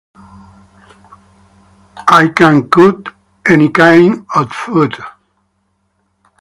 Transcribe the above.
I can cook any kind of food.